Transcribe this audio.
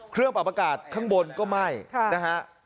เครื่องปรับอากาศข้างบนก็ไหม้นะฮะ